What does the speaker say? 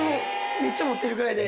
めっちゃ持ってるぐらいで。